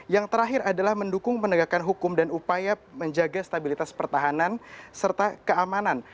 yang terakhir adalah mendukung penegakan hukum dan upaya menjaga stabilitas pertahanan serta keamanan